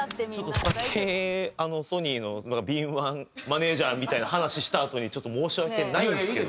さっきソニーの敏腕マネジャーみたいな話したあとにちょっと申し訳ないんですけど。